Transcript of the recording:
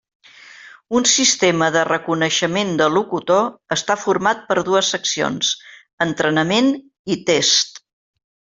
Un sistema de reconeixement de locutor està format per dues seccions: entrenament i test.